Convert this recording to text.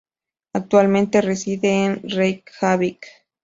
Actualmente, reside en Reykjavík.